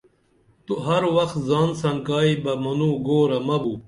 تو ہر وخ زان سنکائی بہ منوں گورہ مہ بو